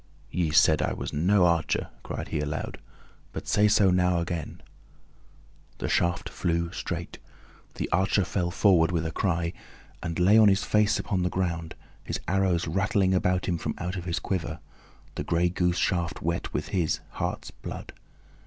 "Ye said I was no archer," cried he aloud, "but say so now again!" The shaft flew straight; the archer fell forward with a cry, and lay on his face upon the ground, his arrows rattling about him from out of his quiver, the gray goose shaft wet with his; heart's blood.